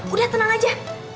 udah tenang aja